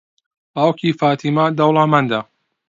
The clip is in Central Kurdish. باوکی فاتیمە دەوڵەمەندە.